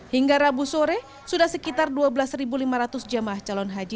hingga rabu sore sudah sekitar dua belas lima ratus jamaah calon haji